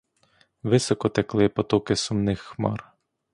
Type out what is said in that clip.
Високо текли потоки сумних хмар.